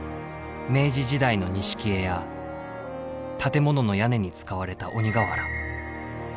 明治時代の錦絵や建物の屋根に使われた鬼瓦。